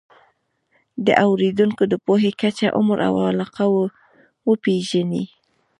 د اورېدونکو د پوهې کچه، عمر او علاقه وپېژنئ.